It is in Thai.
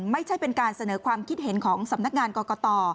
ไม่ใช่เป็นการเสนอความคิดเห็นของสำนักงานกรกต